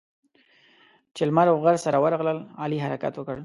چې لمر او غر سره ورغلل؛ علي حرکت وکړ.